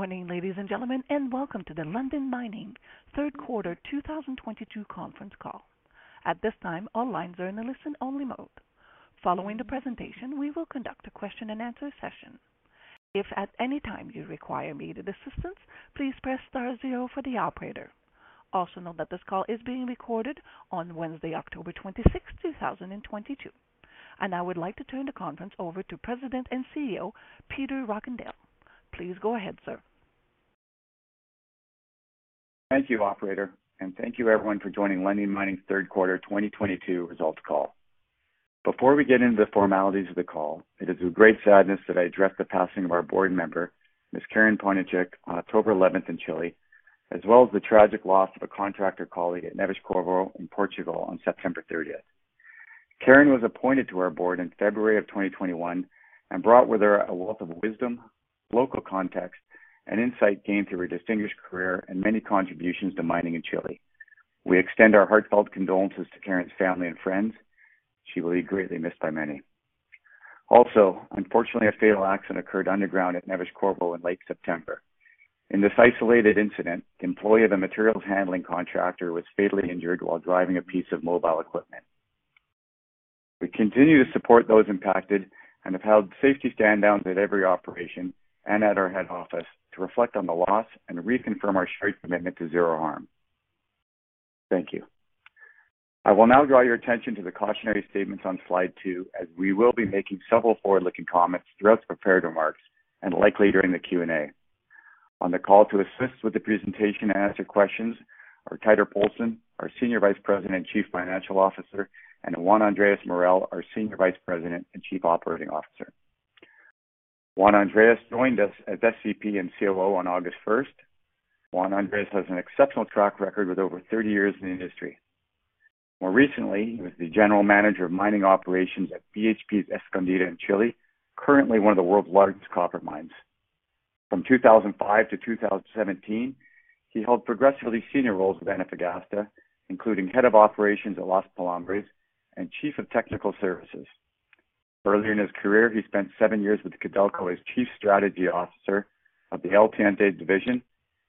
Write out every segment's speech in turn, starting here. Good morning, ladies and gentlemen, and welcome to the Lundin Mining third quarter 2022 conference call. At this time, all lines are in a listen-only mode. Following the presentation, we will conduct a question-and-answer session. If at any time you require immediate assistance, please press star zero for the operator. Also note that this call is being recorded on Wednesday, October 26th, 2022. I would like to turn the conference over to President and CEO, Peter Rockandel. Please go ahead, sir. Thank you, operator, and thank you everyone for joining Lundin Mining's third quarter 2022 results call. Before we get into the formalities of the call, it is with great sadness that I address the passing of our board member, Ms. Karen Poniachik, on October 11 in Chile, as well as the tragic loss of a contractor colleague at Neves-Corvo in Portugal on September 30. Karen was appointed to our board in February 2021 and brought with her a wealth of wisdom, local context, and insight gained through her distinguished career and many contributions to mining in Chile. We extend our heartfelt condolences to Karen's family and friends. She will be greatly missed by many. Also, unfortunately, a fatal accident occurred underground at Neves-Corvo in late September. In this isolated incident, the employee of a materials handling contractor was fatally injured while driving a piece of mobile equipment. We continue to support those impacted and have held safety stand-downs at every operation and at our head office to reflect on the loss and reconfirm our shared commitment to zero harm. Thank you. I will now draw your attention to the cautionary statements on slide two, as we will be making several forward-looking comments throughout the prepared remarks and likely during the Q&A. On the call to assist with the presentation and answer questions are Teitur Poulsen, our Senior Vice President, Chief Financial Officer, and Juan Andrés Morel, our Senior Vice President and Chief Operating Officer. Juan Andrés joined us as SVP and COO on August first. Juan Andrés has an exceptional track record with over 30 years in the industry. More recently, he was the General Manager of mining operations at BHP's Escondida in Chile, currently one of the world's largest copper mines. From 2005 to 2017, he held progressively senior roles with Antofagasta, including Head of Operations at Los Pelambres and Chief of Technical Services. Earlier in his career, he spent seven years with Codelco as Chief Strategy Officer of the El Teniente division,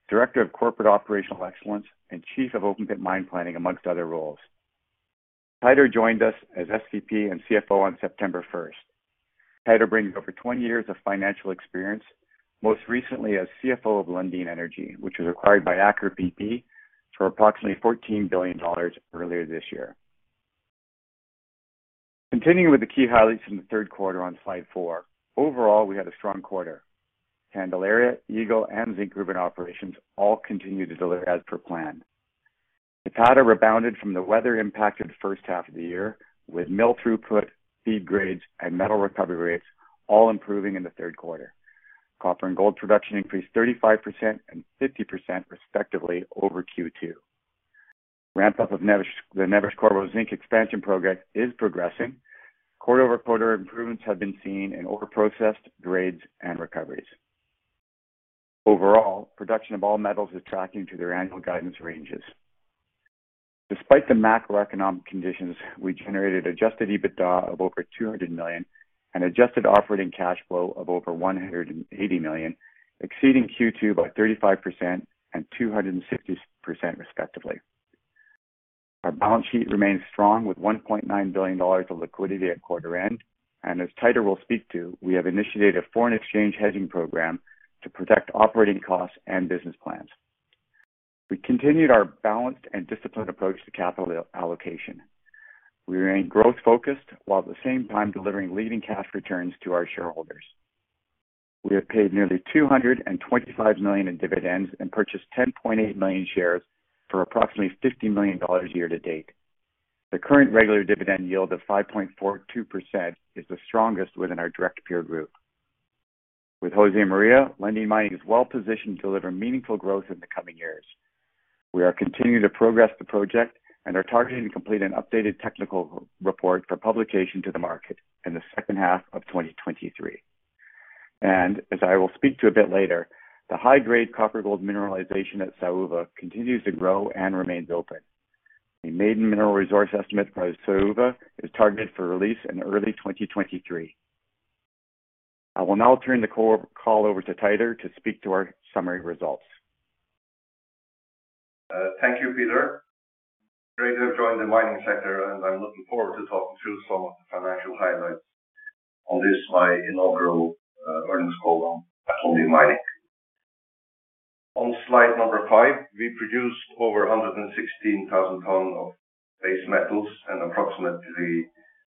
Director of Corporate Operational Excellence, and Chief of Open Pit Mine Planning, among other roles. Teitur joined us as SVP and CFO on September 1. Teitur brings over 20 years of financial experience, most recently as CFO of Lundin Energy, which was acquired by Aker BP for approximately $14 billion earlier this year. Continuing with the key highlights from the third quarter on slide four, overall, we had a strong quarter. Candelaria, Eagle and Zinkgruvan operations all continued to deliver as per plan. It had rebounded from the weather impact of the first half of the year, with mill throughput, feed grades and metal recovery rates all improving in the third quarter. Copper and gold production increased 35% and 50%, respectively, over Q2. Ramp-up of the Neves-Corvo zinc expansion program is progressing. Quarter-over-quarter improvements have been seen in ore processed, grades, and recoveries. Overall, production of all metals is tracking to their annual guidance ranges. Despite the macroeconomic conditions, we generated adjusted EBITDA of over $200 million and adjusted operating cash flow of over $180 million, exceeding Q2 by 35% and 260%, respectively. Our balance sheet remains strong with $1.9 billion of liquidity at quarter-end. As Teitur will speak to, we have initiated a foreign exchange hedging program to protect operating costs and business plans. We continued our balanced and disciplined approach to capital allocation. We remain growth-focused while at the same time delivering leading cash returns to our shareholders. We have paid nearly $225 million in dividends and purchased 10.8 million shares for approximately $50 million year to date. The current regular dividend yield of 5.42% is the strongest within our direct peer group. With Josemaria, Lundin Mining is well positioned to deliver meaningful growth in the coming years. We are continuing to progress the project and are targeting to complete an updated technical report for publication to the market in the second half of 2023. As I will speak to a bit later, the high-grade copper gold mineralization at Saúva continues to grow and remains open. The maiden mineral resource estimate by Saúva is targeted for release in early 2023. I will now turn the call over to Teitur Poulsen to speak to our summary results. Thank you, Peter. Great to have joined the mining sector, and I'm looking forward to talking through some of the financial highlights on this, my inaugural, earnings call on Lundin Mining. On slide number five, we produced over 116,000 tons of base metals and approximately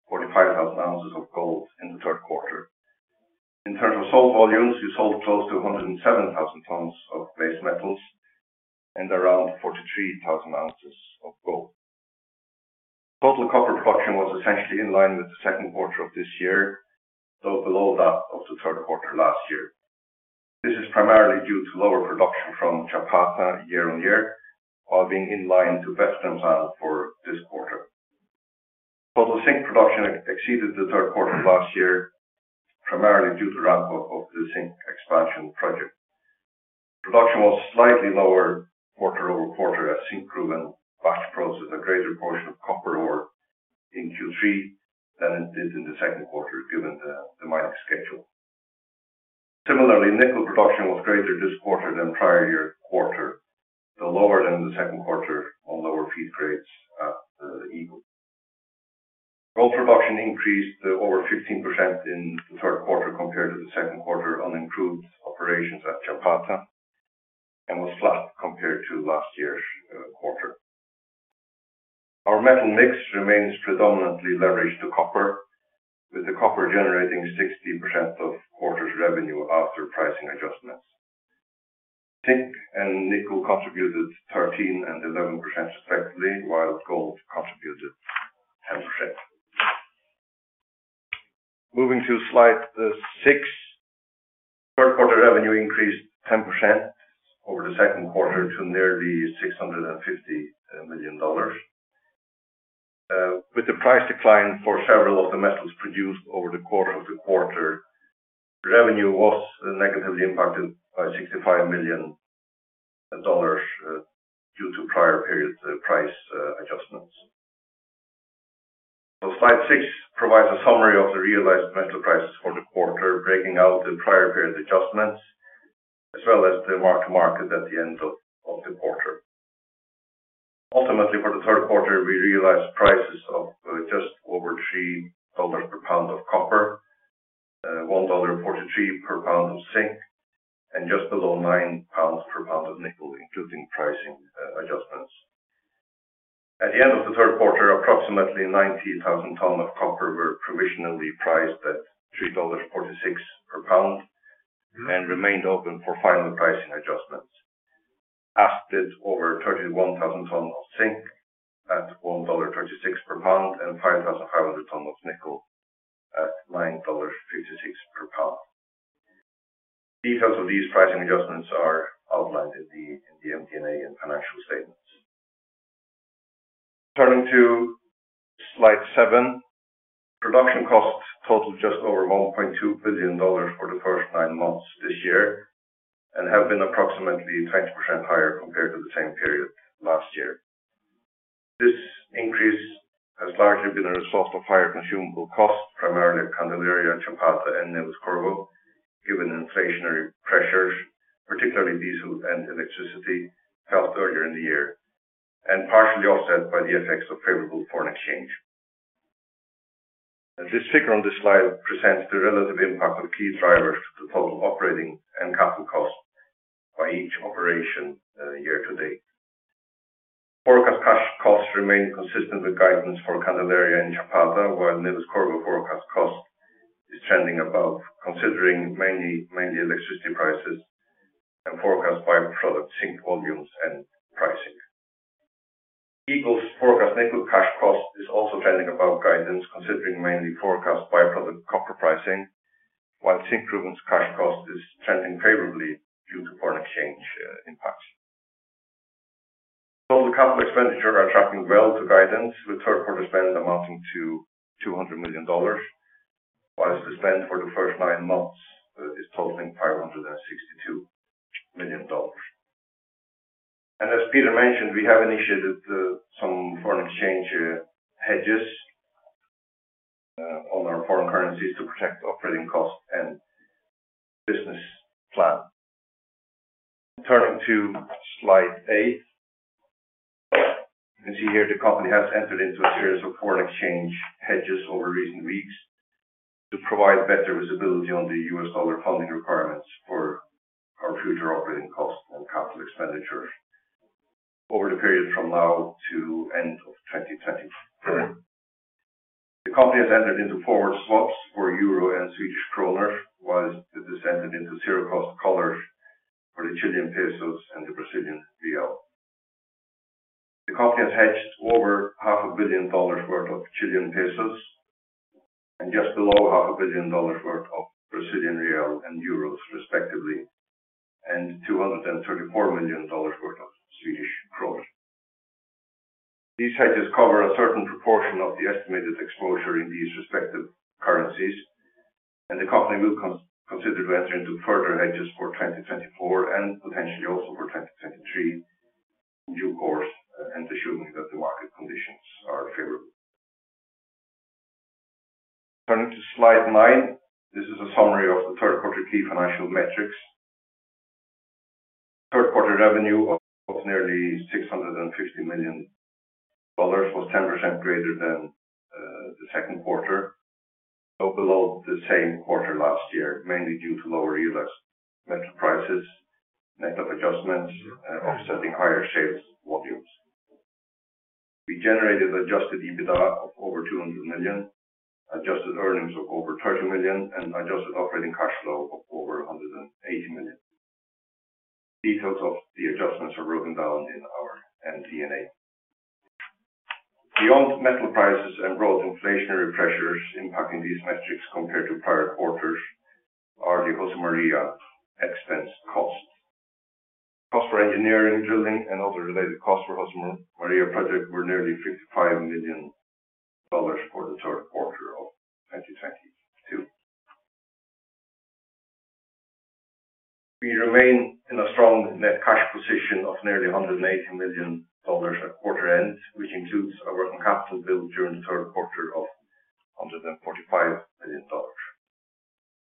45,000 ounces of gold in the third quarter. In terms of sold volumes, we sold close to 107,000 tons of base metals and around 43,000 ounces of gold. Total copper production was essentially in line with the second quarter of this year, though below that of the third quarter last year. This is primarily due to lower production from Chapada year on year, while being in line to best in plan for this quarter. Total zinc production exceeded the third quarter last year, primarily due to ramp-up of the zinc expansion project. Production was slightly lower quarter-over-quarter as Zinkgruvan batch processes a greater portion of copper ore in Q3 than it did in the second quarter, given the mining schedule. Similarly, nickel production was greater this quarter than prior-year quarter, though lower than the second quarter on lower feed grades at the Eagle. Gold production increased over 15% in the third quarter compared to the second quarter on improved operations at Chapada and was flat compared to last year's quarter. Our metal mix remains predominantly leveraged to copper, with the copper generating 60% of quarter's revenue after pricing adjustments. Zinc and nickel contributed 13% and 11% respectively, while gold contributed 10%. Moving to slide six. Third quarter revenue increased 10% over the second quarter to nearly $650 million. With the price decline for several of the metals produced over the course of the quarter, revenue was negatively impacted by $65 million due to prior period price adjustments. Slide 6 provides a summary of the realized metal prices for the quarter, breaking out the prior period adjustments, as well as the mark-to-market at the end of the quarter. Ultimately, for the third quarter, we realized prices of just over $3 per pound of copper, $1.43 per pound of zinc, and just below $9 per pound of nickel, including pricing adjustments. At the end of the third quarter, approximately 90,000 tons of copper were provisionally priced at $3.46 per pound and remained open for final pricing adjustments. As did over 31,000 tons of zinc at $1.36 per pound, and 5,500 tons of nickel at $9.56 per pound. Details of these pricing adjustments are outlined in the MD&A and financial statements. Turning to slide seven. Production costs totaled just over $1.2 billion for the first nine months this year and have been approximately 20% higher compared to the same period last year. This increase has largely been a result of higher consumable costs, primarily Candelaria, Chapada, and Neves-Corvo, given inflationary pressures, particularly diesel and electricity, felt earlier in the year, and partially offset by the effects of favorable foreign exchange. The figure on this slide presents the relative impact of key drivers to total operating and capital costs by each operation, year to date. Forecast cash costs remain consistent with guidance for Candelaria and Chapada, while Neves-Corvo forecast cost is trending above, considering mainly electricity prices and forecast by-product zinc volumes and pricing. Eagle's forecast nickel cash cost is also trending above guidance, considering mainly forecast by-product copper pricing, while Zinkgruvan's cash cost is trending favorably due to foreign exchange impacts. Total capital expenditure are tracking well to guidance, with third quarter spend amounting to $200 million, while the spend for the first nine months is totaling $562 million. As Peter mentioned, we have initiated some foreign exchange hedges on our foreign currencies to protect operating costs and business plan. Turning to slide eight. You can see here the company has entered into a series of foreign exchange hedges over recent weeks to provide better visibility on the US dollar funding requirements for our future operating costs and capital expenditure over the period from now to end of 2020. The company has entered into forward swaps for euro and Swedish kronor, while it has entered into zero-cost collars for the Chilean pesos and the Brazilian real. The company has hedged over half a billion dollars worth of Chilean pesos and just below half a billion dollars worth of Brazilian real and euros respectively, and $234 million worth of Swedish krona. These hedges cover a certain proportion of the estimated exposure in these respective currencies, and the company will consider to enter into further hedges for 2024 and potentially also for 2023 in due course, and assuming that the market conditions are favorable. Turning to slide nine. This is a summary of the third quarter key financial metrics. Third quarter revenue of nearly $650 million was 10% greater than the second quarter, though below the same quarter last year, mainly due to lower realized metal prices, net of adjustments, offsetting higher sales volumes. We generated adjusted EBITDA of over $200 million, adjusted earnings of over $30 million, and adjusted operating cash flow of over $180 million. Details of the adjustments are broken down in our MD&A. Beyond metal prices and broad inflationary pressures impacting these metrics compared to prior quarters are the Josemaria expense cost. Costs for engineering, drilling, and other related costs for Josemaria project were nearly $55 million for the third quarter of 2022. We remain in a strong net cash position of nearly $180 million at quarter end, which includes our working capital build during the third quarter of $145 million.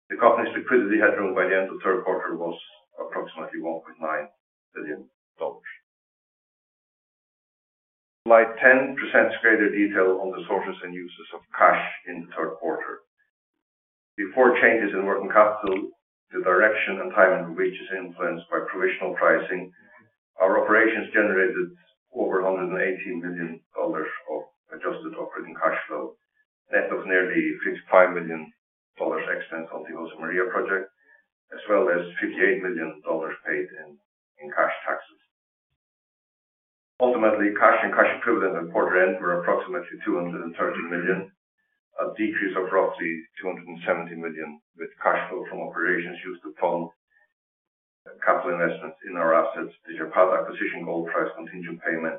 The company's liquidity headroom by the end of third quarter was approximately $1.9 billion. Slide 10 presents greater detail on the sources and uses of cash in the third quarter. Before changes in working capital, the direction and timing of which is influenced by provisional pricing, our operations generated over $180 million of adjusted operating cash flow, net of nearly $55 million expense on the Josemaria project, as well as $58 million paid in cash taxes. Ultimately, cash and cash equivalent at quarter end were approximately $230 million, a decrease of roughly $270 million, with cash flow from operations used to fund capital investments in our assets, the Chapada acquisition gold price contingent payment,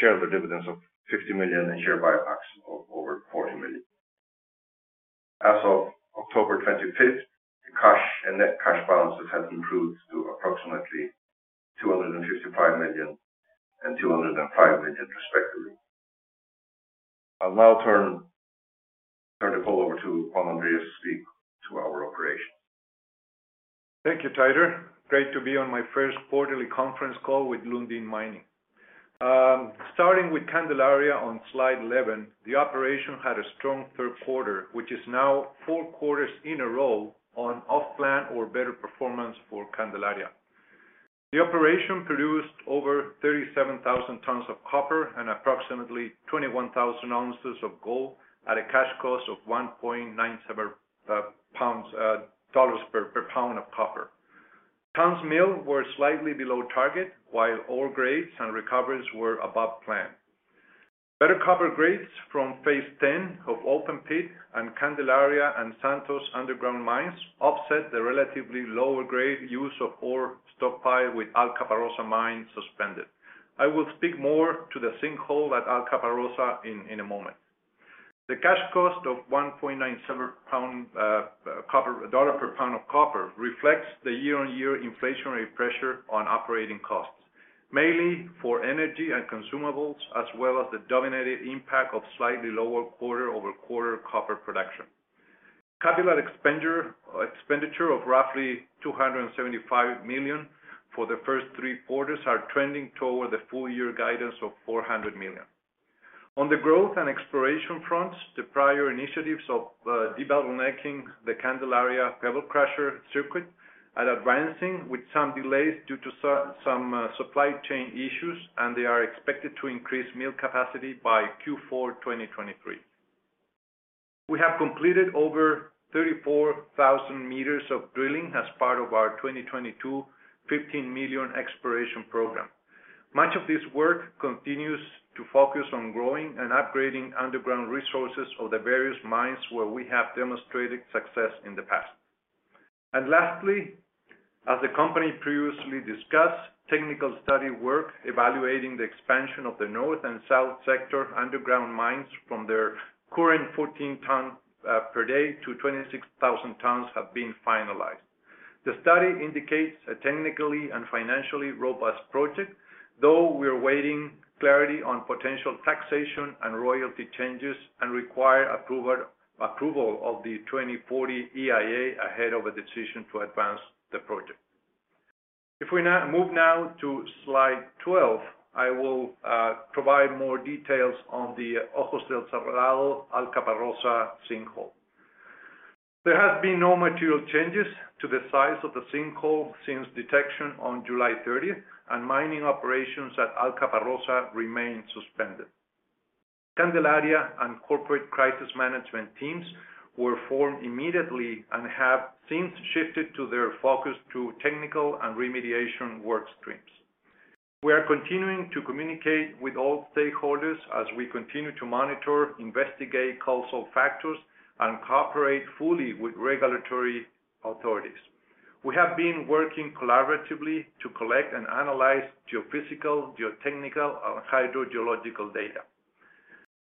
share of the dividends of $50 million, and share buybacks of over $40 million. As of October twenty-fifth, the cash and net cash balances have improved to approximately $255 million and $205 million respectively. I'll now turn the call over to Juan Andrés to speak to our operations. Thank you, Teitur. Great to be on my first quarterly conference call with Lundin Mining. Starting with Candelaria on slide 11, the operation had a strong third quarter, which is now four quarters in a row on plan or better performance for Candelaria. The operation produced over 37,000 tons of copper and approximately 21,000 ounces of gold at a cash cost of $1.97 per pound of copper. Tons milled were slightly below target, while ore grades and recoveries were above plan. Better copper grades from phase 10 of open pit and Candelaria and Santos underground mines offset the relatively lower grade use of ore stockpile with Alcaparrosa mine suspended. I will speak more to the sinkhole at Alcaparrosa in a moment. The cash cost of $1.97 per pound of copper reflects the year-on-year inflationary pressure on operating costs, mainly for energy and consumables, as well as the dominant impact of slightly lower quarter-over-quarter copper production. Capital expenditure of roughly $275 million for the first three quarters are trending toward the full year guidance of $400 million. On the growth and exploration fronts, the prior initiatives of debottlenecking the Candelaria pebble crusher circuit are advancing with some delays due to some supply chain issues, and they are expected to increase mill capacity by Q4 2023. We have completed over 34,000 meters of drilling as part of our 2022 $15 million exploration program. Much of this work continues to focus on growing and upgrading underground resources of the various mines where we have demonstrated success in the past. Lastly, as the company previously discussed, technical study work evaluating the expansion of the north and south sector underground mines from their current 14,000 tons per day to 26,000 tons have been finalized. The study indicates a technically and financially robust project, though we're waiting clarity on potential taxation and royalty changes and require approval of the 2040 EIA ahead of a decision to advance the project. If we now move to slide 12, I will provide more details on the Ojos del Salado Alcaparrosa sinkhole. There has been no material changes to the size of the sinkhole since detection on July thirtieth, and mining operations at Alcaparrosa remain suspended. Candelaria and corporate crisis management teams were formed immediately and have since shifted to their focus to technical and remediation work streams. We are continuing to communicate with all stakeholders as we continue to monitor, investigate causal factors, and cooperate fully with regulatory authorities. We have been working collaboratively to collect and analyze geophysical, geotechnical, and hydrogeological data.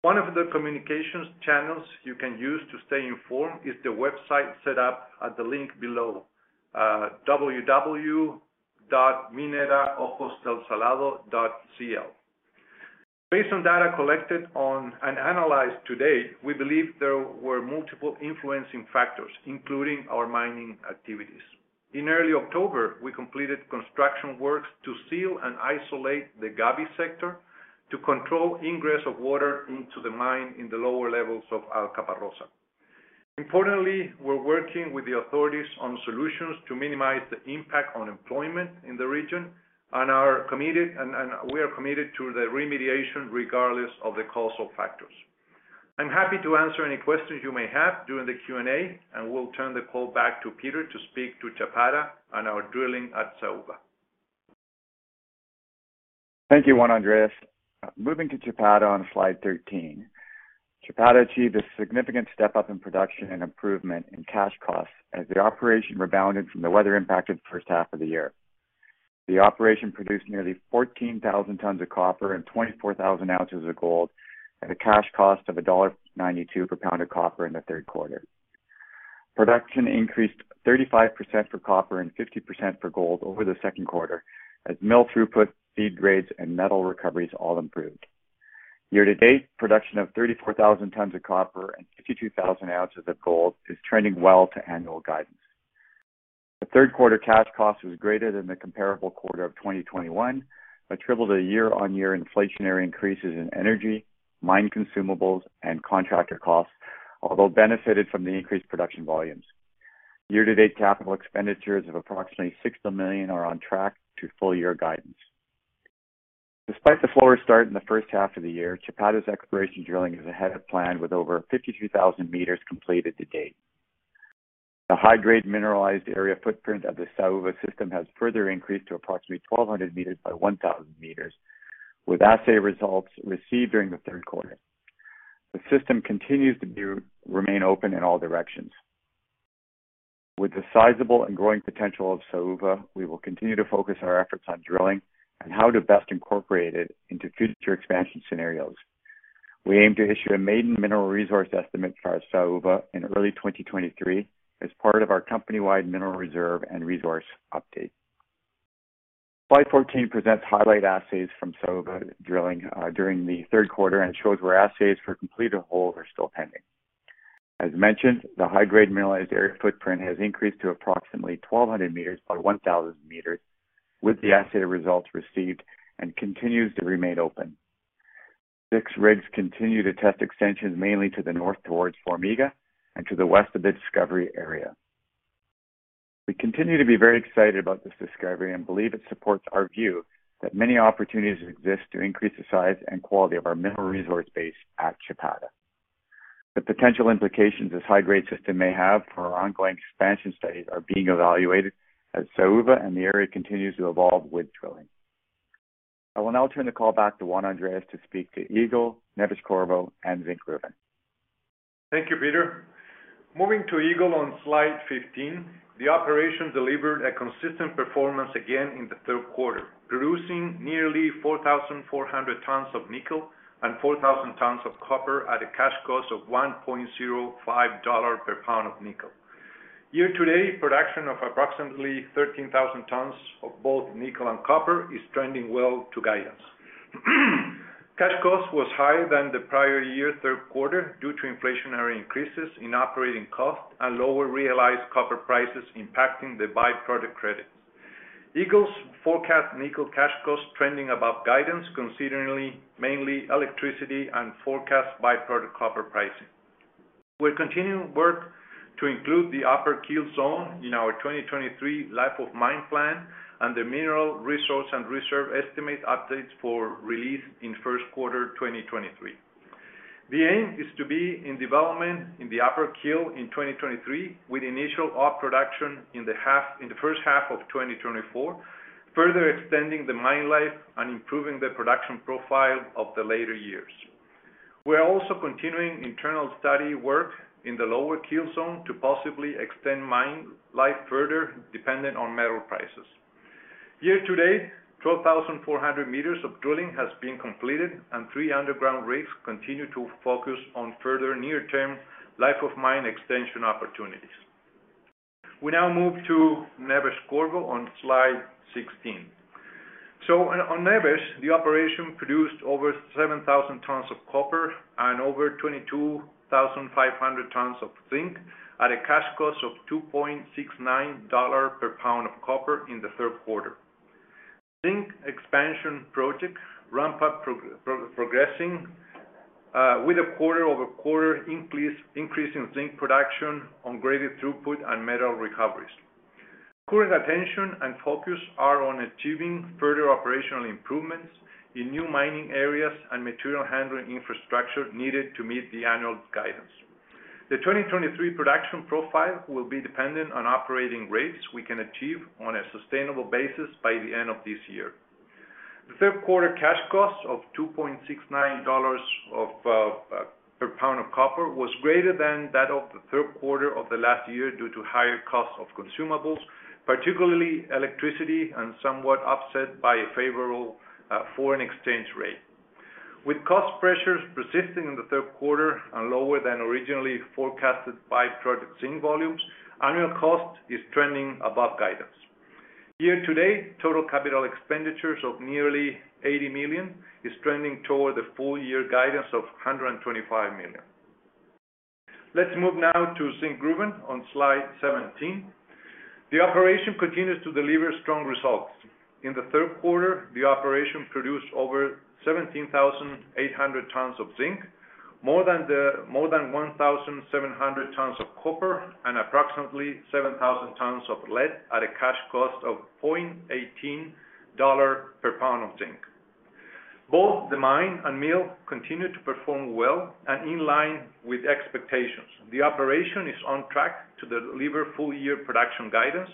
One of the communications channels you can use to stay informed is the website set up at the link below, www.mineraojosdelsalado.cl. Based on data collected on and analyzed to date, we believe there were multiple influencing factors, including our mining activities. In early October, we completed construction works to seal and isolate the Gaby sector to control ingress of water into the mine in the lower levels of Alcaparrosa. Importantly, we're working with the authorities on solutions to minimize the impact on employment in the region and we are committed to the remediation regardless of the causal factors. I'm happy to answer any questions you may have during the Q&A, and will turn the call back to Peter to speak to Chapada on our drilling at Saúva. Thank you, Juan Andrés Morel. Moving to Chapada on slide 13. Chapada achieved a significant step-up in production and improvement in cash costs as the operation rebounded from the weather impacted first half of the year. The operation produced nearly 14,000 tons of copper and 24,000 ounces of gold at a cash cost of $1.92 per pound of copper in the third quarter. Production increased 35% for copper and 50% for gold over the second quarter as mill throughput, feed grades, and metal recoveries all improved. Year to date, production of 34,000 tons of copper and 52,000 ounces of gold is trending well to annual guidance. The third quarter cash cost was greater than the comparable quarter of 2021, attributed to year-on-year inflationary increases in energy, mine consumables, and contractor costs, although benefited from the increased production volumes. Year to date, capital expenditures of approximately $6 million are on track to full year guidance. Despite the slower start in the first half of the year, Chapada's exploration drilling is ahead of plan with over 52,000 meters completed to date. The high-grade mineralized area footprint of the Saúva system has further increased to approximately 1,200 meters by 1,000 meters, with assay results received during the third quarter. The system continues to remain open in all directions. With the sizable and growing potential of Saúva, we will continue to focus our efforts on drilling and how to best incorporate it into future expansion scenarios. We aim to issue a maiden mineral resource estimate for our Saúva in early 2023 as part of our company-wide mineral reserve and resource update. Slide 14 presents highlight assays from Saúva drilling during the third quarter and shows where assays for completed holes are still pending. As mentioned, the high-grade mineralized area footprint has increased to approximately 1,200 meters by 1,000 meters with the assay results received and continues to remain open. 6 rigs continue to test extensions mainly to the north towards Formiga and to the west of the discovery area. We continue to be very excited about this discovery and believe it supports our view that many opportunities exist to increase the size and quality of our mineral resource base at Chapada. The potential implications this high-grade system may have for our ongoing expansion studies are being evaluated as Saúva and the area continues to evolve with drilling. I will now turn the call back to Juan Andrés to speak to Eagle, Neves-Corvo, and Zinkgruvan. Thank you, Peter. Moving to Eagle on slide 15. The operation delivered a consistent performance again in the third quarter, producing nearly 4,400 tons of nickel and 4,000 tons of copper at a cash cost of $1.05 per pound of nickel. Year to date, production of approximately 13,000 tons of both nickel and copper is trending well to guidance. Cash cost was higher than the prior year third quarter due to inflationary increases in operating costs and lower realized copper prices impacting the byproduct credits. Eagle's forecast nickel cash costs trending above guidance, considering mainly electricity and forecast byproduct copper pricing. We're continuing work to include the Upper Keel zone in our 2023 life of mine plan and the mineral resource and reserve estimate updates for release in first quarter 2023. The aim is to be in development in the Upper Keel in 2023, with initial op production in the first half of 2024, further extending the mine life and improving the production profile of the later years. We are also continuing internal study work in the Lower Keel zone to possibly extend mine life further dependent on metal prices. Year to date, 12,400 meters of drilling has been completed and three underground rigs continue to focus on further near-term life of mine extension opportunities. We now move to Neves-Corvo on slide 16. On Neves-Corvo, the operation produced over 7,000 tons of copper and over 22,500 tons of zinc at a cash cost of $2.69 per pound of copper in the third quarter. Zinc Expansion Project ramp-up progressing with a quarter-over-quarter increase in zinc production on-grade throughput and metal recoveries. Current attention and focus are on achieving further operational improvements in new mining areas and material handling infrastructure needed to meet the annual guidance. The 2023 production profile will be dependent on operating rates we can achieve on a sustainable basis by the end of this year. The third quarter cash cost of $2.69 per pound of copper was greater than that of the third quarter of last year due to higher cost of consumables, particularly electricity, and somewhat offset by a favorable foreign exchange rate. With cost pressures persisting in the third quarter and lower than originally forecasted by-product zinc volumes, annual cost is trending above guidance. Year to date, total capital expenditures of nearly $80 million is trending toward the full year guidance of $125 million. Let's move now to Zinkgruvan on slide 17. The operation continues to deliver strong results. In the third quarter, the operation produced over 17,800 tons of zinc, more than 1,700 tons of copper and approximately 7,000 tons of lead at a cash cost of $0.18 per pound of zinc. Both the mine and mill continue to perform well and in line with expectations. The operation is on track to deliver full year production guidance,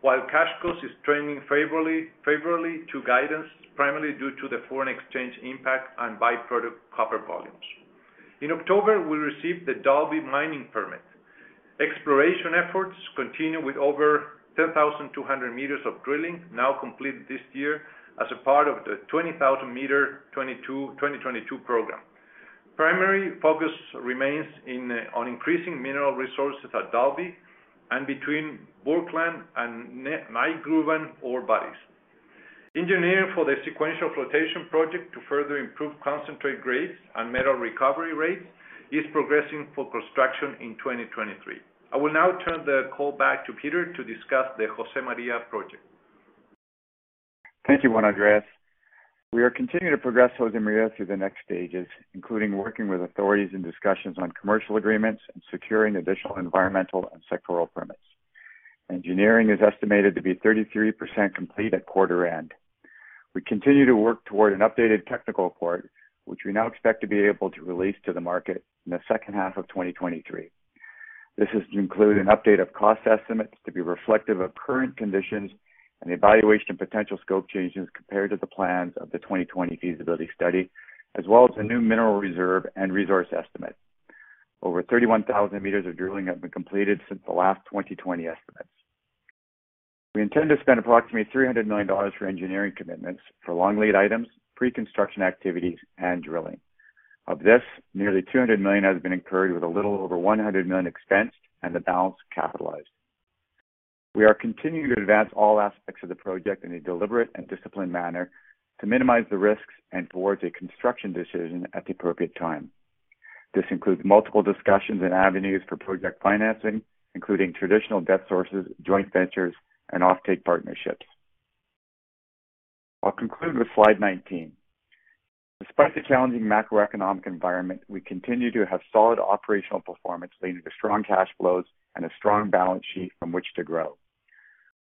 while cash cost is trending favorably to guidance, primarily due to the foreign exchange impact and byproduct copper volumes. In October, we received the Dalby mining permit. Exploration efforts continue with over 10,200 meters of drilling now completed this year as a part of the 20,000-meter 2022 program. Primary focus remains on increasing mineral resources at Dalby and between Burkland and Nygruvan ore bodies. Engineering for the sequential flotation project to further improve concentrate grades and metal recovery rates is progressing for construction in 2023. I will now turn the call back to Peter to discuss the Josemaria project. Thank you, Juan Andrés. We are continuing to progress Josemaria through the next stages, including working with authorities in discussions on commercial agreements and securing additional environmental and sectoral permits. Engineering is estimated to be 33% complete at quarter end. We continue to work toward an updated technical report, which we now expect to be able to release to the market in the second half of 2023. This is to include an update of cost estimates to be reflective of current conditions and the evaluation of potential scope changes compared to the plans of the 2020 feasibility study, as well as a new mineral reserve and resource estimate. Over 31,000 meters of drilling have been completed since the last 2020 estimates. We intend to spend approximately $300 million for engineering commitments for long lead items, pre-construction activities, and drilling. Of this, nearly $200 million has been incurred with a little over $100 million expensed and the balance capitalized. We are continuing to advance all aspects of the project in a deliberate and disciplined manner to minimize the risks and towards a construction decision at the appropriate time. This includes multiple discussions and avenues for project financing, including traditional debt sources, joint ventures, and offtake partnerships. I'll conclude with slide 19. Despite the challenging macroeconomic environment, we continue to have solid operational performance leading to strong cash flows and a strong balance sheet from which to grow.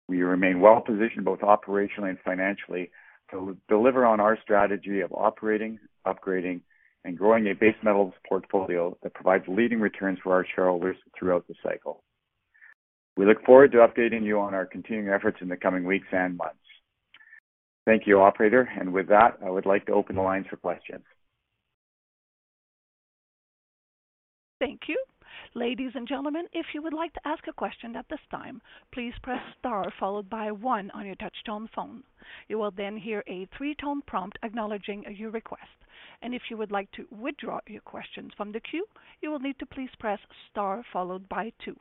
We remain well positioned both operationally and financially to deliver on our strategy of operating, upgrading, and growing a base metals portfolio that provides leading returns for our shareholders throughout the cycle. We look forward to updating you on our continuing efforts in the coming weeks and months. Thank you, operator. With that, I would like to open the lines for questions. Thank you. Ladies and gentlemen, if you would like to ask a question at this time, please press star followed by one on your touch-tone phone. You will then hear a three-tone prompt acknowledging your request. If you would like to withdraw your questions from the queue, you will need to please press star followed by two.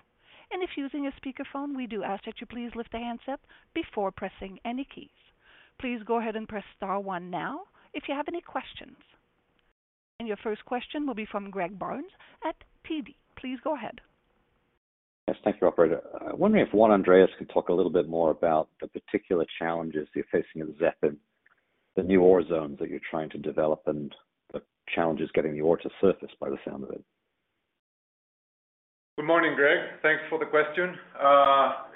If using a speakerphone, we do ask that you please lift the handset before pressing any keys. Please go ahead and press star one now if you have any questions. Your first question will be from Greg Barnes at TD. Please go ahead. Yes, thank you, operator. I'm wondering if Juan Andrés could talk a little bit more about the particular challenges you're facing at ZEP, the new ore zones that you're trying to develop and the challenges getting the ore to surface by the sound of it? Good morning, Greg. Thanks for the question.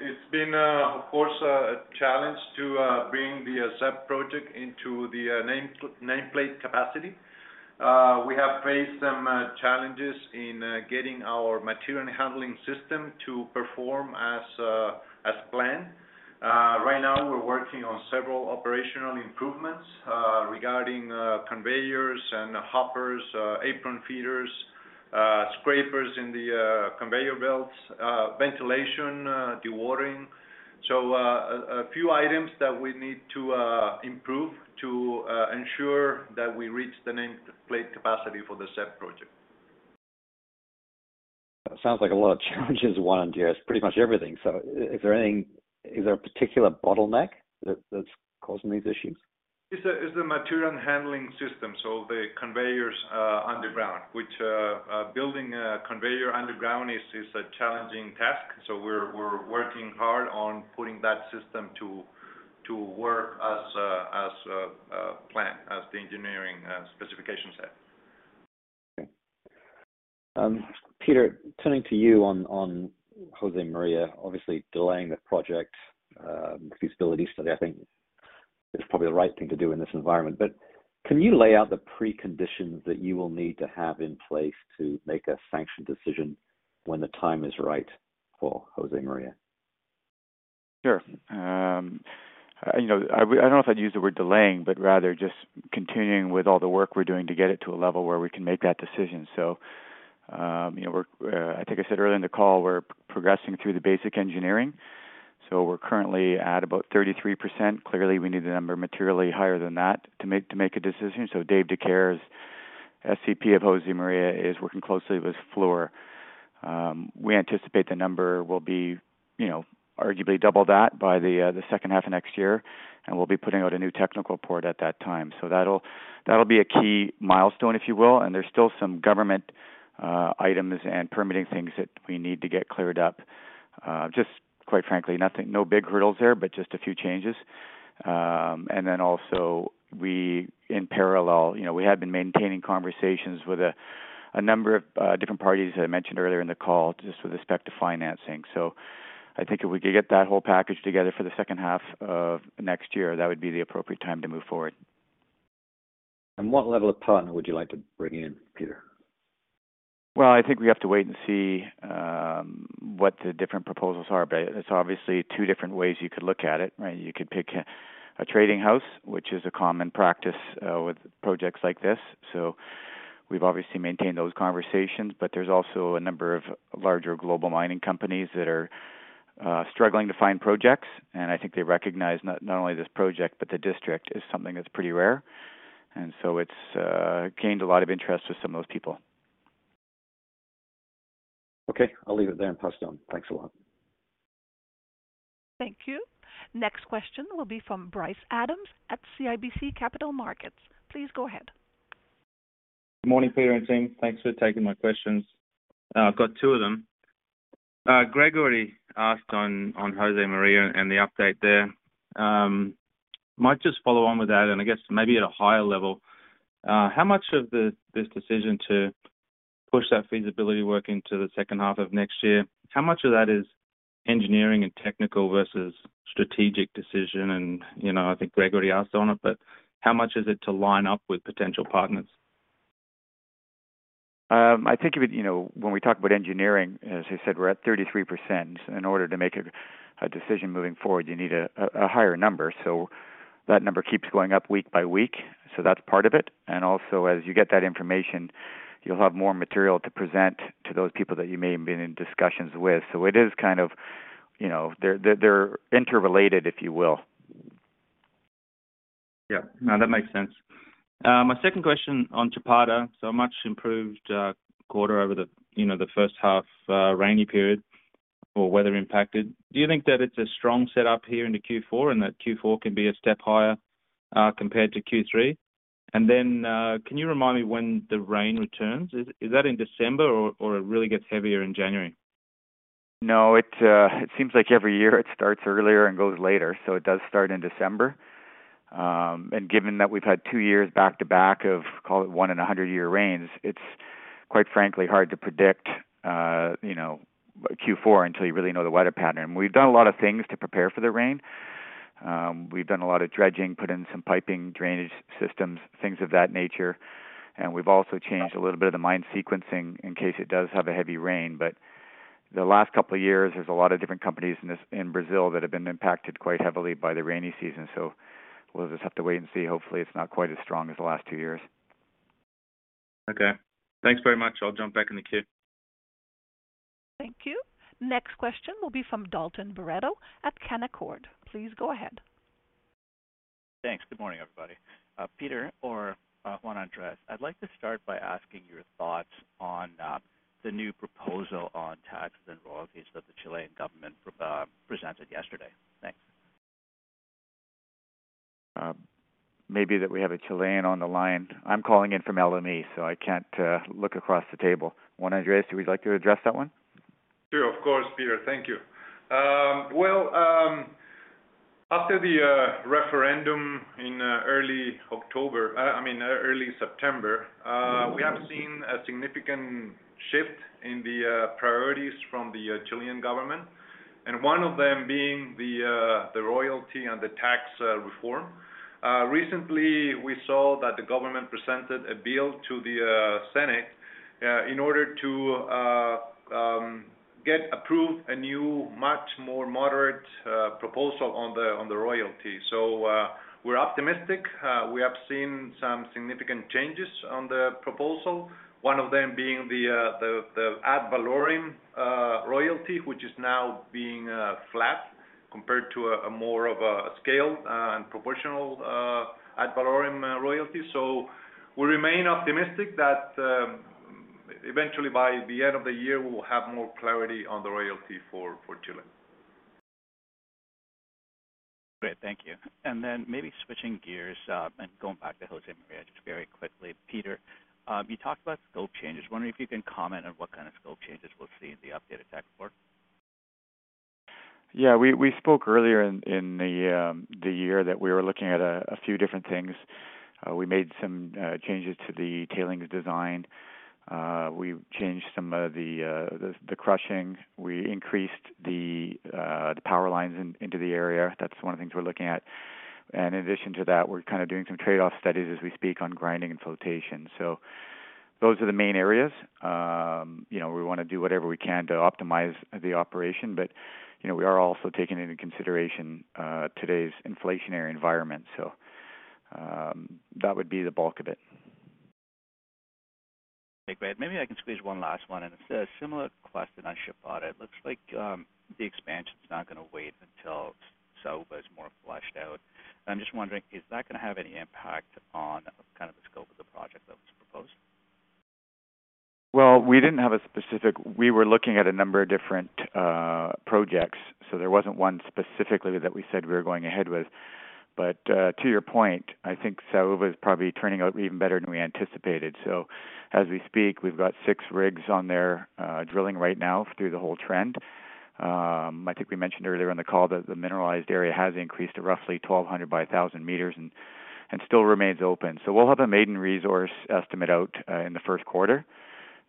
It's been, of course, a challenge to bring the ZEP project into the nameplate capacity. We have faced some challenges in getting our material handling system to perform as planned. Right now we're working on several operational improvements regarding conveyors and hoppers, apron feeders, scrapers in the conveyor belts, ventilation, dewatering. A few items that we need to improve to ensure that we reach the nameplate capacity for the ZEP project. It sounds like a lot of challenges, Juan Andrés, pretty much everything. Is there a particular bottleneck that's causing these issues? It's the material handling system, so the conveyors underground, which building a conveyor underground is a challenging task. We're working hard on putting that system to work as planned, as the engineering specification set. Okay. Peter, turning to you on Josemaria, obviously delaying the project feasibility study, I think is probably the right thing to do in this environment. Can you lay out the preconditions that you will need to have in place to make a sanction decision when the time is right for Josemaria? Sure. You know, I don't know if I'd use the word delaying, but rather just continuing with all the work we're doing to get it to a level where we can make that decision. You know, I think I said earlier in the call, we're progressing through the basic engineering. We're currently at about 33%. Clearly, we need the number materially higher than that to make a decision. David Dicaire, SVP of Josemaria, is working closely with Fluor. We anticipate the number will be, you know, arguably double that by the second half of next year, and we'll be putting out a new technical report at that time. That'll be a key milestone, if you will, and there's still some government items and permitting things that we need to get cleared up. Just quite frankly, nothing, no big hurdles there, but just a few changes. Also we in parallel, you know, we have been maintaining conversations with a number of different parties, as I mentioned earlier in the call, just with respect to financing. I think if we could get that whole package together for the second half of next year, that would be the appropriate time to move forward. What level of partner would you like to bring in, Peter? I think we have to wait and see what the different proposals are. It's obviously two different ways you could look at it, right? You could pick a trading house, which is a common practice with projects like this. We've obviously maintained those conversations, but there's also a number of larger global mining companies that are struggling to find projects. I think they recognize not only this project, but the district is something that's pretty rare. It's gained a lot of interest with some of those people. Okay. I'll leave it there and pass it on. Thanks a lot. Thank you. Next question will be from Bryce Adams at CIBC Capital Markets. Please go ahead. Good morning, Peter and team. Thanks for taking my questions. I've got two of them. Gregory asked on Josemaria and the update there. Might just follow on with that, and I guess maybe at a higher level, how much of this decision to push that feasibility work into the second half of next year, how much of that is engineering and technical versus strategic decision? You know, I think Gregory asked on it, but how much is it to line up with potential partners? I think of it, you know, when we talk about engineering, as you said, we're at 33%. In order to make a decision moving forward, you need a higher number. That number keeps going up week by week. That's part of it. As you get that information, you'll have more material to present to those people that you may have been in discussions with. It is kind of, you know, they're interrelated, if you will. Yeah. No, that makes sense. My second question on Chapada, so a much improved quarter over the, you know, the first half rainy period or weather impacted. Do you think that it's a strong set up here into Q4 and that Q4 can be a step higher compared to Q3? And then, can you remind me when the rain returns? Is that in December or it really gets heavier in January? No, it seems like every year it starts earlier and goes later, so it does start in December. Given that we've had two years back-to-back of, call it one in a hundred year rains, it's quite frankly hard to predict, you know, Q4 until you really know the weather pattern. We've done a lot of things to prepare for the rain. We've done a lot of dredging, put in some piping, drainage systems, things of that nature. We've also changed a little bit of the mine sequencing in case it does have a heavy rain. The last couple of years, there's a lot of different companies in this in Brazil that have been impacted quite heavily by the rainy season. We'll just have to wait and see. Hopefully, it's not quite as strong as the last two years. Okay. Thanks very much. I'll jump back in the queue. Thank you. Next question will be from Dalton Baretto at Canaccord. Please go ahead. Thanks. Good morning, everybody. Peter or Juan Andrés, I'd like to start by asking your thoughts on the new proposal on taxes and royalties that the Chilean government presented yesterday. Thanks. Maybe that we have a Chilean on the line. I'm calling in from LME, so I can't look across the table. Juan Andrés, would you like to address that one? Sure, of course, Peter. Thank you. Well, after the referendum in early September, we have seen a significant shift in the priorities from the Chilean government, and one of them being the royalty and the tax reform. Recently, we saw that the government presented a bill to the Senate in order to get approved a new, much more moderate proposal on the royalty. We're optimistic. We have seen some significant changes on the proposal, one of them being the ad valorem royalty, which is now being flat compared to a more of a scale and proportional ad valorem royalty. We remain optimistic that, eventually, by the end of the year, we will have more clarity on the royalty for Chile. Great. Thank you. Maybe switching gears, and going back to Josemaria just very quickly. Peter, you talked about scope changes. Wondering if you can comment on what kind of scope changes we'll see in the updated tech report. Yeah, we spoke earlier in the year that we were looking at a few different things. We made some changes to the tailings design. We've changed some of the crushing. We increased the power lines into the area. That's one of the things we're looking at. In addition to that, we're kind of doing some trade-off studies as we speak on grinding and flotation. Those are the main areas. You know, we wanna do whatever we can to optimize the operation, but you know, we are also taking into consideration today's inflationary environment. That would be the bulk of it. Okay, great. Maybe I can squeeze one last one, and it's a similar question on Chapada. It looks like, the expansion is not gonna wait until Saúva is more fleshed out. I'm just wondering, is that gonna have any impact on kind of the scope of the project that was proposed? We were looking at a number of different projects, so there wasn't one specifically that we said we were going ahead with. To your point, I think Saúva is probably turning out even better than we anticipated. As we speak, we've got 6 rigs on there, drilling right now through the whole trend. I think we mentioned earlier on the call that the mineralized area has increased to roughly 1,200 by 1,000 meters and still remains open. We'll have a maiden resource estimate out in the first quarter.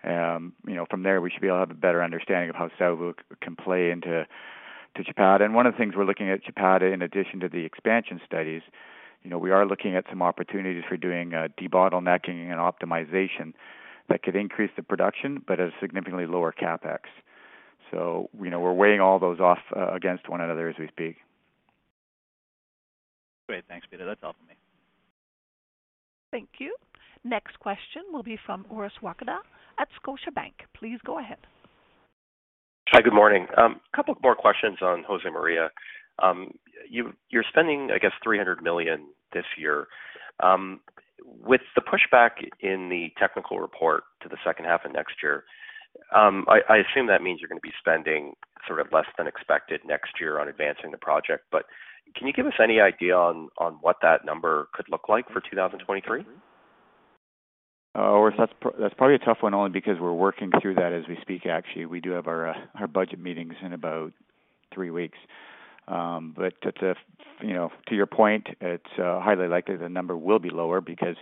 You know, from there, we should be able to have a better understanding of how Saúva can play into Chapada. One of the things we're looking at Chapada, in addition to the expansion studies, you know, we are looking at some opportunities for doing debottlenecking and optimization that could increase the production, but at a significantly lower CapEx. You know, we're weighing all those off against one another as we speak. Great. Thanks, Peter. That's all for me. Thank you. Next question will be from Orest Wowkodaw at Scotiabank. Please go ahead. Hi, good morning. A couple of more questions on Josemaria. You're spending, I guess, $300 million this year. With the pushback in the technical report to the second half of next year, I assume that means you're gonna be spending sort of less than expected next year on advancing the project. Can you give us any idea on what that number could look like for 2023? Oh, Orest, that's probably a tough one only because we're working through that as we speak. Actually, we do have our budget meetings in about three weeks. But to you know, to your point, it's highly likely the number will be lower because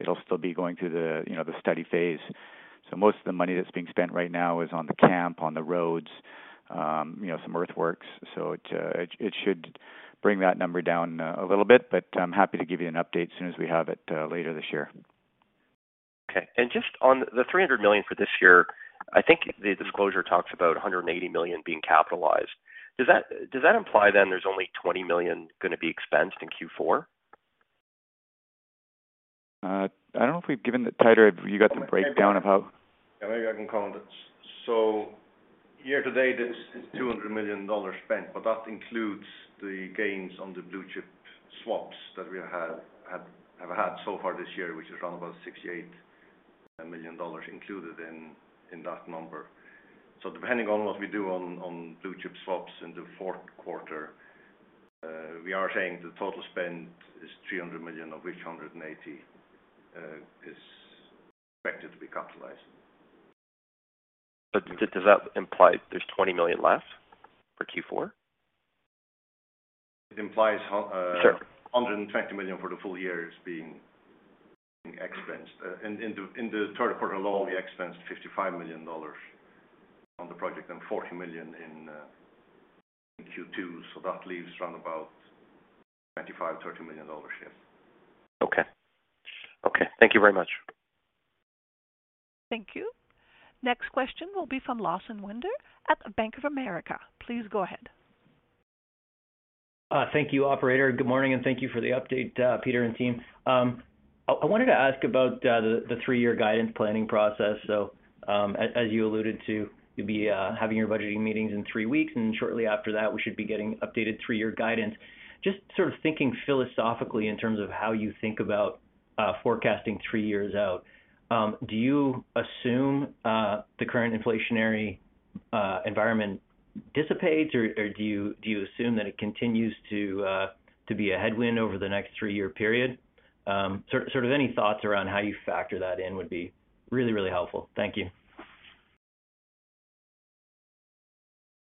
it'll still be going through the you know, the study phase. So most of the money that's being spent right now is on the camp, on the roads, you know, some earthworks. So it should bring that number down a little bit, but I'm happy to give you an update as soon as we have it later this year. Okay. Just on the $300 million for this year, I think the disclosure talks about $180 million being capitalized. Does that imply then there's only $20 million gonna be expensed in Q4? I don't know if we've given Teitur. Have you got the breakdown of how? Yeah, maybe I can comment. Year to date is $200 million spent, but that includes the gains on the Blue Chip Swaps that we had so far this year, which is around about $68 million included in that number. Depending on what we do on Blue Chip Swaps in the fourth quarter, we are saying the total spend is $300 million, of which 180 is expected to be capitalized. Does that imply there's $20 million left for Q4? It implies. Sure. ....$120 million for the full year is being expensed. In the third quarter alone, we expensed $55 million on the project and $40 million in Q2, so that leaves round about $25 million-$30 million, yes. Okay. Okay, thank you very much. Thank you. Next question will be from Lawson Winder at Bank of America. Please go ahead. Thank you, operator. Good morning, and thank you for the update, Peter and team. I wanted to ask about the three-year guidance planning process. As you alluded to, you'll be having your budgeting meetings in three weeks, and shortly after that, we should be getting updated three-year guidance. Just sort of thinking philosophically in terms of how you think about forecasting three years out, do you assume the current inflationary environment dissipates or do you assume that it continues to be a headwind over the next three-year period? Sort of any thoughts around how you factor that in would be really helpful. Thank you.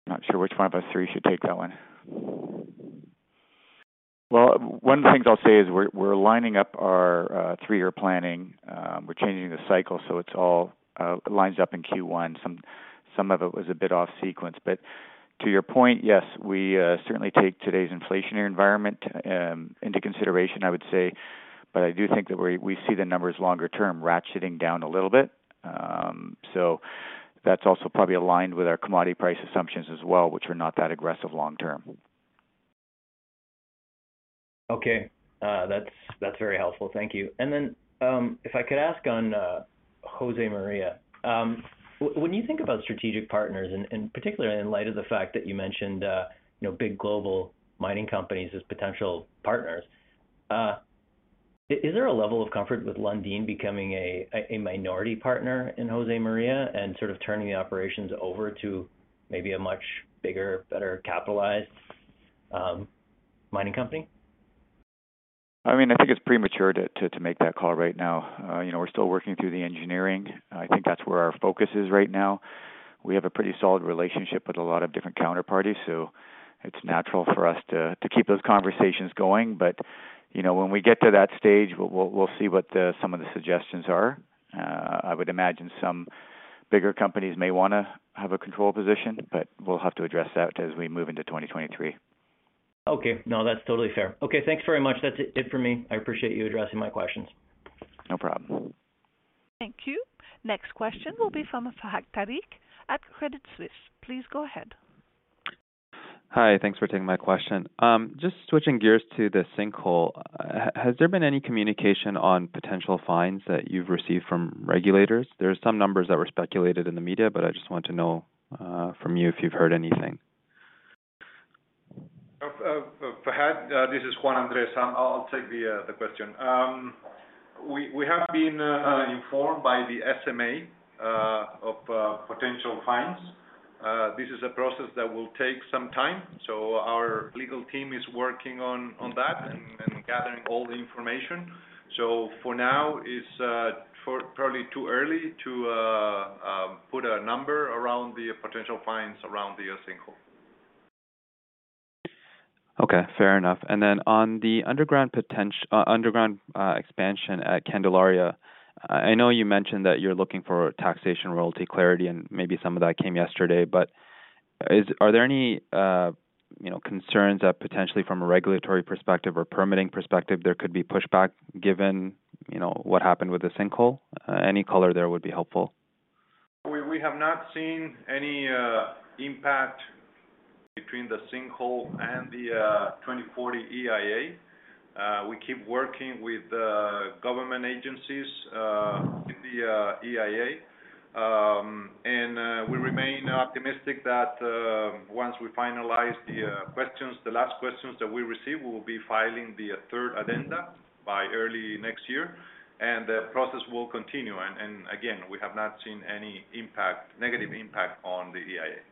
Not sure which one of us three should take that one. Well, one of the things I'll say is we're lining up our three-year planning. We're changing the cycle, so it's all lines up in Q1. Some of it was a bit off sequence. To your point, yes, we certainly take today's inflationary environment into consideration, I would say. I do think that we see the numbers longer term ratcheting down a little bit. That's also probably aligned with our commodity price assumptions as well, which are not that aggressive long term. Okay. That's very helpful. Thank you. Then, if I could ask on Josemaria. When you think about strategic partners, and particularly in light of the fact that you mentioned, you know, big global mining companies as potential partners, is there a level of comfort with Lundin becoming a minority partner in Josemaria and sort of turning the operations over to maybe a much bigger, better capitalized mining company? I mean, I think it's premature to make that call right now. You know, we're still working through the engineering. I think that's where our focus is right now. We have a pretty solid relationship with a lot of different counterparties, so it's natural for us to keep those conversations going. You know, when we get to that stage, we'll see what some of the suggestions are. I would imagine some bigger companies may wanna have a control position, but we'll have to address that as we move into 2023. Okay. No, that's totally fair. Okay, thanks very much. That's it for me. I appreciate you addressing my questions. No problem. Thank you. Next question will be from Fahad Tariq at Credit Suisse. Please go ahead. Hi. Thanks for taking my question. Just switching gears to the sinkhole. Has there been any communication on potential fines that you've received from regulators? There are some numbers that were speculated in the media, but I just want to know, from you if you've heard anything. Fahad, this is Juan Andrés. I'll take the question. We have been informed by the SMA of potential fines. This is a process that will take some time, so our legal team is working on that and gathering all the information. For now, it's probably too early to put a number around the potential fines around the sinkhole. Okay, fair enough. Then on the underground expansion at Candelaria, I know you mentioned that you're looking for taxation royalty clarity, and maybe some of that came yesterday. Are there any, you know, concerns that potentially from a regulatory perspective or permitting perspective, there could be pushback given, you know, what happened with the sinkhole? Any color there would be helpful. We have not seen any impact between the sinkhole and the 2040 EIA. We keep working with government agencies with the EIA. We remain optimistic that once we finalize the questions, the last questions that we received, we will be filing the third addenda by early next year, and the process will continue. Again, we have not seen any impact, negative impact on the EIA.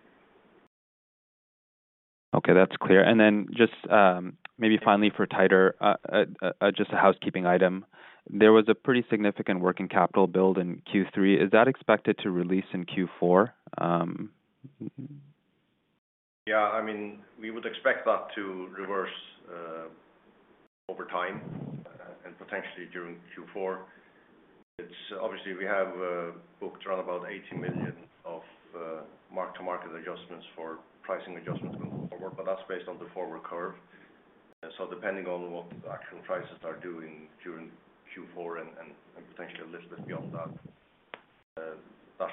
Okay, that's clear. Then just a housekeeping item. There was a pretty significant working capital build in Q3. Is that expected to release in Q4? Yeah. I mean, we would expect that to reverse over time and potentially during Q4. It's obviously we have booked around about $80 million of mark-to-market adjustments for pricing adjustments going forward, but that's based on the forward curve. So depending on what the actual prices are doing during Q4 and and potentially a little bit beyond that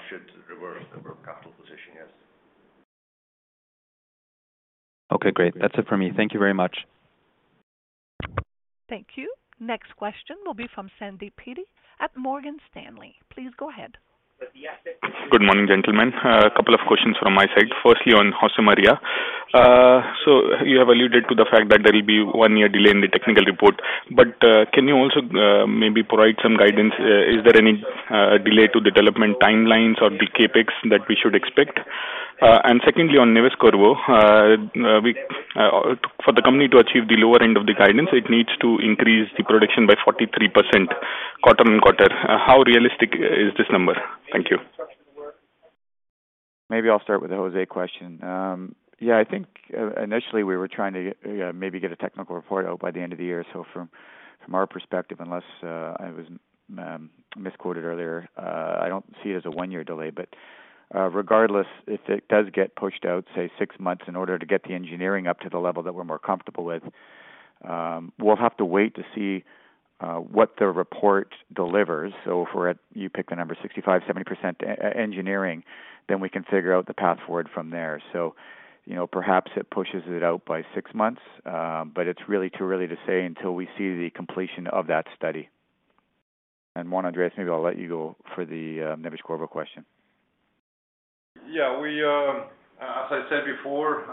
should reverse the working capital position, yes. Okay, great. That's it for me. Thank you very much. Thank you. Next question will be from Sandeep Peety at Morgan Stanley. Please go ahead. Good morning, gentlemen. A couple of questions from my side. Firstly, on Josemaria. So you have alluded to the fact that there will be one year delay in the technical report. Can you also maybe provide some guidance? Is there any delay to development timelines or the CapEx that we should expect? Secondly, on Neves-Corvo, for the company to achieve the lower end of the guidance, it needs to increase the production by 43% quarter-on-quarter. How realistic is this number? Thank you. Maybe I'll start with the Josemaria question. Yeah, I think initially we were trying to maybe get a technical report out by the end of the year. From our perspective, unless I was misquoted earlier, I don't see it as a one-year delay. Regardless, if it does get pushed out, say, six months in order to get the engineering up to the level that we're more comfortable with, we'll have to wait to see what the report delivers. If we're at, you pick the number 65, 70% engineering, then we can figure out the path forward from there. You know, perhaps it pushes it out by six months, but it's really too early to say until we see the completion of that study. Juan Andrés, maybe I'll let you go for the Neves-Corvo question. Yeah. As I said before,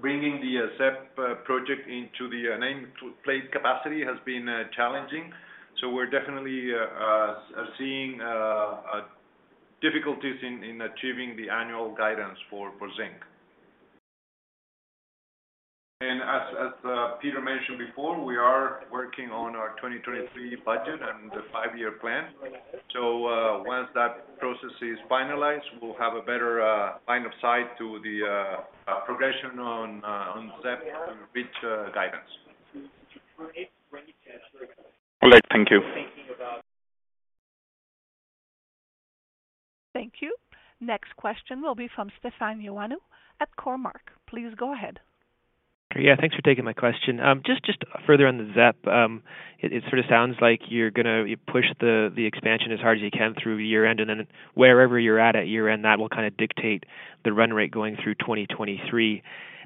bringing the ZEP project into the nameplate capacity has been challenging. We're definitely seeing difficulties in achieving the annual guidance for zinc. As Peter mentioned before, we are working on our 2023 budget and the five-year plan. Once that process is finalized, we'll have a better line of sight to the progression on ZEP to reach guidance. All right, thank you. Thank you. Next question will be from Stefan Ioannou at Cormark. Please go ahead. Yeah, thanks for taking my question. Just further on the ZEP. It sort of sounds like you're gonna push the expansion as hard as you can through year-end, and then wherever you're at at year-end, that will kind of dictate the run rate going through 2023.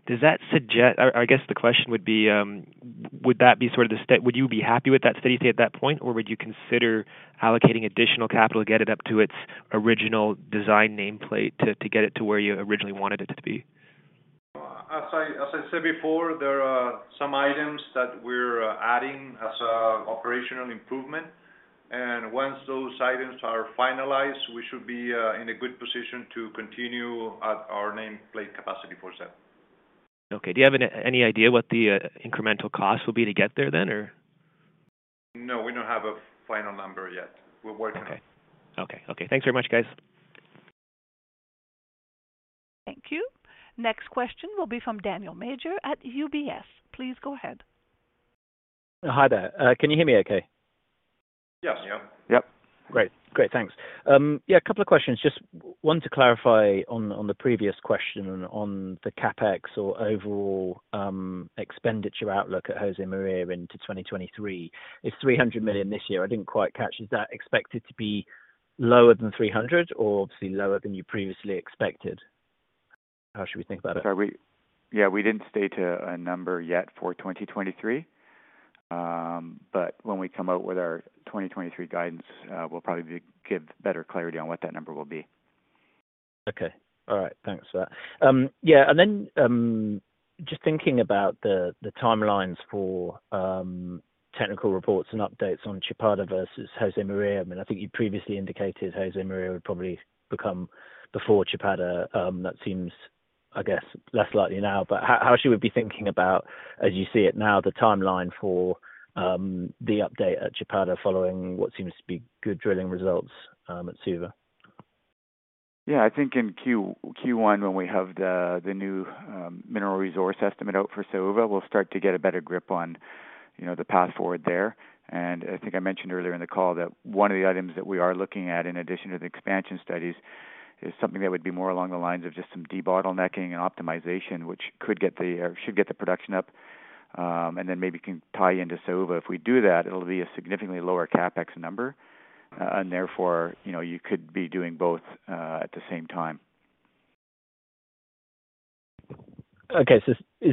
Does that suggest I guess the question would be, would that be sort of the steady-state at that point, or would you consider allocating additional capital to get it up to its original design nameplate to get it to where you originally wanted it to be? As I said before, there are some items that we're adding as operational improvement. Once those items are finalized, we should be in a good position to continue at our nameplate capacity for ZEP. Okay. Do you have any idea what the incremental cost will be to get there then or? No, we don't have a final number yet. We're working on it. Okay. Thanks very much, guys. Thank you. Next question will be from Daniel Major at UBS. Please go ahead. Hi there. Can you hear me okay? Yes. Yeah. Yep. Great. Great, thanks. Yeah, a couple of questions. Just one to clarify on the previous question on the CapEx or overall expenditure outlook at Josemaria into 2023. It's $300 million this year. I didn't quite catch. Is that expected to be lower than 300 or obviously lower than you previously expected? How should we think about it? Yeah, we didn't state a number yet for 2023. When we come out with our 2023 guidance, we'll probably give better clarity on what that number will be. Okay. All right. Thanks for that. Just thinking about the timelines for technical reports and updates on Chapada versus Josemaria. I mean, I think you previously indicated Josemaria would probably come before Chapada. That seems, I guess, less likely now. How should we be thinking about, as you see it now, the timeline for the update at Chapada following what seems to be good drilling results at Saúva? Yeah, I think in Q1 when we have the new mineral resource estimate out for Saúva, we'll start to get a better grip on, you know, the path forward there. I think I mentioned earlier in the call that one of the items that we are looking at in addition to the expansion studies is something that would be more along the lines of just some debottlenecking and optimization, which could or should get the production up, and then maybe can tie into Saúva. If we do that, it'll be a significantly lower CapEx number, and therefore, you know, you could be doing both at the same time. Is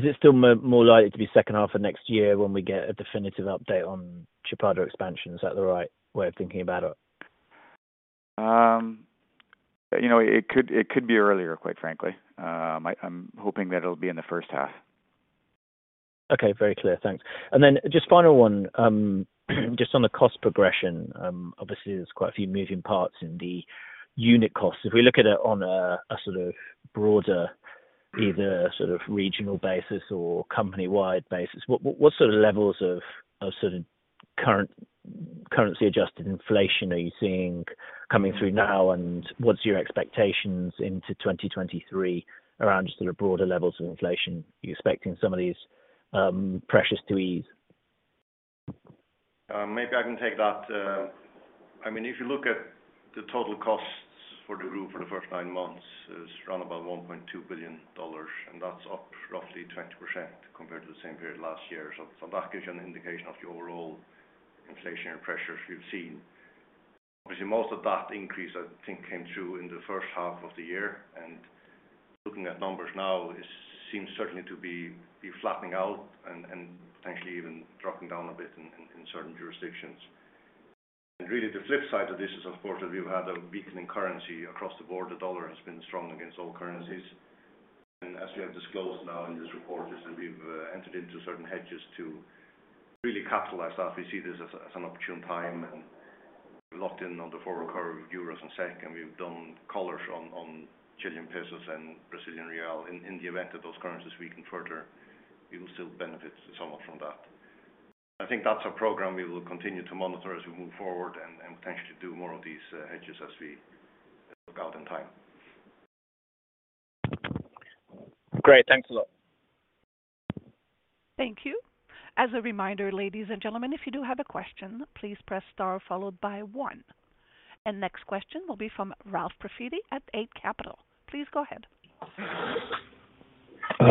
it still more likely to be second half of next year when we get a definitive update on Chapada expansion? Is that the right way of thinking about it? You know, it could be earlier, quite frankly. I'm hoping that it'll be in the first half. Okay. Very clear. Thanks. Just final one, just on the cost progression, obviously, there's quite a few moving parts in the unit cost. If we look at it on a sort of broader either sort of regional basis or company-wide basis, what sort of levels of sort of current, currency adjusted inflation are you seeing coming through now? And what's your expectations into 2023 around just sort of broader levels of inflation? Are you expecting some of these pressures to ease? Maybe I can take that. I mean, if you look at the total costs for the group for the first nine months is around about $1.2 billion, and that's up roughly 20% compared to the same period last year. So that gives you an indication of the overall inflationary pressures we've seen. Obviously, most of that increase, I think, came through in the first half of the year. Looking at numbers now, it seems certainly to be flattening out and potentially even dropping down a bit in certain jurisdictions. Really, the flip side to this is, of course, that we've had a weakening currency across the board. The dollar has been strong against all currencies. And as we have disclosed now in this report, is that we've entered into certain hedges to really capitalize that. We see this as an opportune time, and we've locked in on the forward curve euros and SEK, and we've done collars on Chilean pesos and Brazilian real. In the event that those currencies weaken further, we will still benefit somewhat from that. I think that's a program we will continue to monitor as we move forward and potentially do more of these hedges as we look out in time. Great. Thanks a lot. Thank you. As a reminder, ladies and gentlemen, if you do have a question, please press star followed by one. Next question will be from Ralph Profiti at Eight Capital. Please go ahead.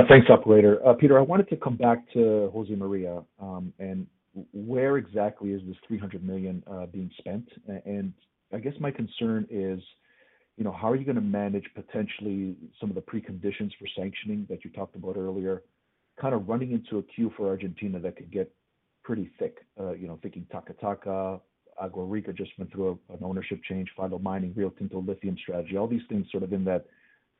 Thanks, operator. Peter, I wanted to come back to Josemaria, and where exactly is this $300 million being spent? And I guess my concern is, you know, how are you gonna manage potentially some of the preconditions for sanctioning that you talked about earlier, kind of running into a queue for Argentina that could get pretty thick. You know, thinking Taca Taca, Agua Rica just went through an ownership change, Filo Mining, Rio Tinto lithium strategy, all these things sort of in that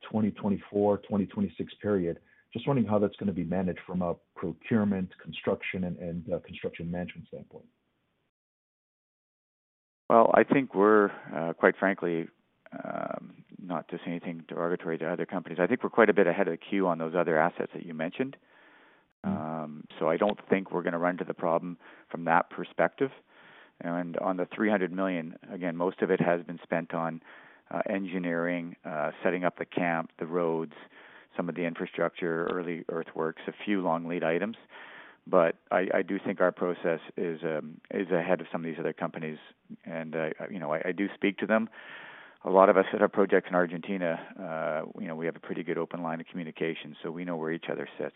2024, 2026 period. Just wondering how that's gonna be managed from a procurement, construction and construction management standpoint. Well, I think we're quite frankly not to say anything derogatory to other companies. I think we're quite a bit ahead of the queue on those other assets that you mentioned. I don't think we're gonna run to the problem from that perspective. On the $300 million, again, most of it has been spent on engineering, setting up the camp, the roads, some of the infrastructure, early earthworks, a few long lead items. I do think our process is ahead of some of these other companies. You know, I do speak to them. A lot of us at our projects in Argentina, you know, we have a pretty good open line of communication, so we know where each other sits.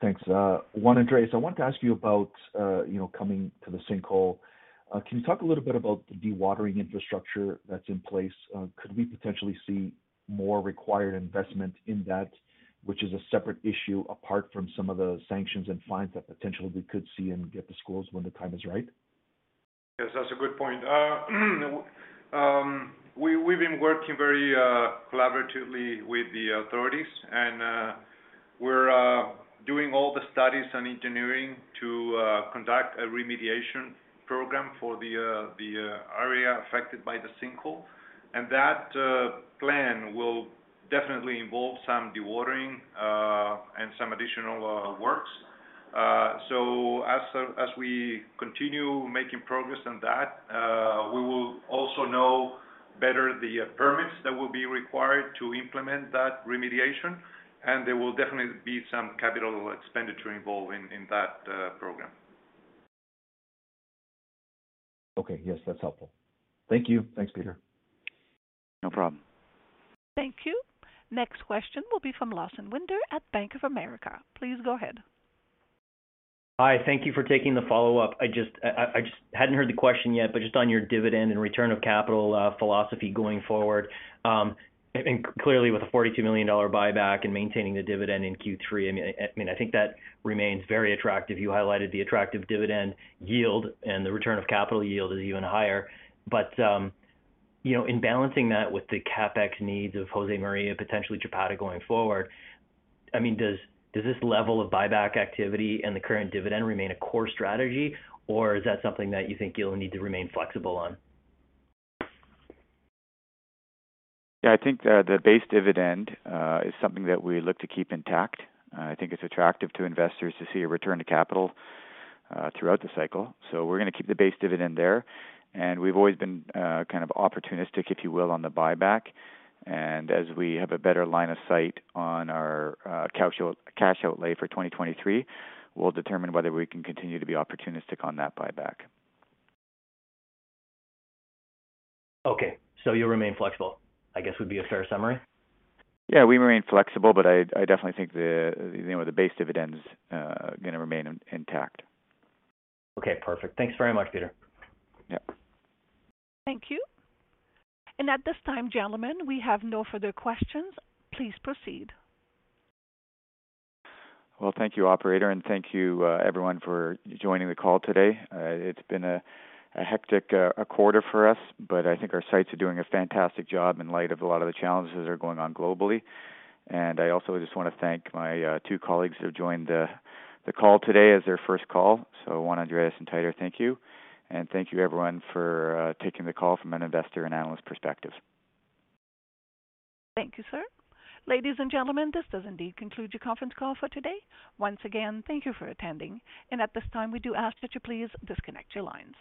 Thanks. Juan Andrés, I wanted to ask you about, you know, coming to the sinkhole. Can you talk a little bit about the dewatering infrastructure that's in place? Could we potentially see more required investment in that, which is a separate issue apart from some of the sanctions and fines that potentially we could see in the courts when the time is right? Yes, that's a good point. We've been working very collaboratively with the authorities, and we're doing all the studies and engineering to conduct a remediation program for the area affected by the sinkhole. That plan will definitely involve some dewatering and some additional works. As we continue making progress on that, we will also know better the permits that will be required to implement that remediation, and there will definitely be some capital expenditure involved in that program. Okay. Yes, that's helpful. Thank you. Thanks, Peter. No problem. Thank you. Next question will be from Lawson Winder at Bank of America. Please go ahead. Hi. Thank you for taking the follow-up. I just hadn't heard the question yet, but just on your dividend and return of capital philosophy going forward, and clearly with a $42 million buyback and maintaining the dividend in Q3, I mean, I think that remains very attractive. You highlighted the attractive dividend yield, and the return of capital yield is even higher. You know, in balancing that with the CapEx needs of Josemaria, potentially Chapada going forward, I mean, does this level of buyback activity and the current dividend remain a core strategy, or is that something that you think you'll need to remain flexible on? Yeah, I think the base dividend is something that we look to keep intact. I think it's attractive to investors to see a return to capital throughout the cycle. We're gonna keep the base dividend there. We've always been kind of opportunistic, if you will, on the buyback. As we have a better line of sight on our cash outlay for 2023, we'll determine whether we can continue to be opportunistic on that buyback. Okay. You'll remain flexible, I guess, would be a fair summary? Yeah, we remain flexible, but I definitely think the, you know, the base dividend's gonna remain intact. Okay, perfect. Thanks very much, Peter. Yep. Thank you. At this time, gentlemen, we have no further questions. Please proceed. Well, thank you, operator, and thank you, everyone for joining the call today. It's been a hectic quarter for us, but I think our sites are doing a fantastic job in light of a lot of the challenges that are going on globally. I also just wanna thank my two colleagues who have joined the call today as their first call. Juan Andrés and Taylor, thank you. Thank you everyone for taking the call from an investor and analyst perspective. Thank you, sir. Ladies and gentlemen, this does indeed conclude your conference call for today. Once again, thank you for attending, and at this time, we do ask that you please disconnect your lines.